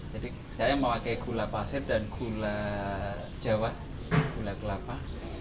jadi saya memakai gula pasir dan gula jawa gula kelapa